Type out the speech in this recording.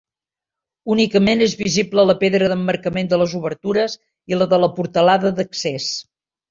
Únicament és visible la pedra d'emmarcament de les obertures i la de la portalada d'accés.